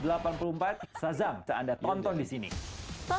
dapatkan juga promo trial satu bulan